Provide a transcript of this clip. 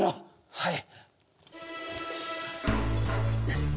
はい。